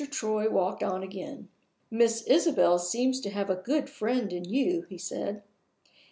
Troy walked on again. "Miss Isabel seems to have a good friend in you," he said.